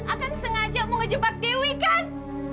akang sengaja mau ngejebak dewi kan